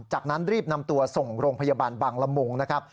จากนั้นรีบนำตัวส่งโรงพยาบาลบางละมุงนะครับ